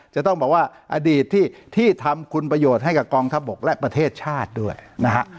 จะต้องบอกว่าอดีตที่ทำคุณประโยชน์ให้กับกองทัพบกและประเทศชาติด้วยนะฮะ